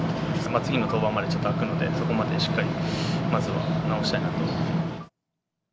次の登板まで、ちょっと空くので、そこまでしっかりまずは治したいなと。